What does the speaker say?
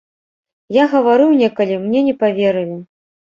Я гаварыў некалі, мне не паверылі.